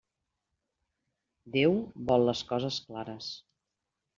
Déu vol les coses clares.